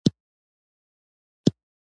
سهار د بریا احساس راوړي.